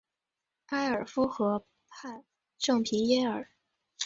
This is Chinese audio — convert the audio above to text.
埃尔夫河畔圣皮耶尔。